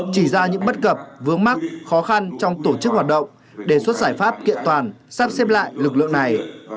chỉ ra những bất cập vướng mắc khó khăn trong tổ chức hoạt động đề xuất giải pháp kiện toàn sắp xếp lại lực lượng này